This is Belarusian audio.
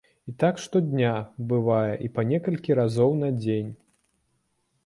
І так штодня, бывае, і па некалькі разоў на дзень.